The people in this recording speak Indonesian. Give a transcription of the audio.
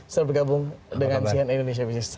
selamat bergabung dengan sian indonesia business